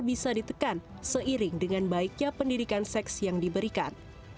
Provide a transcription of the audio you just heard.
bisa ditekan seiring dengan baiknya pendidikan seks yang diberikan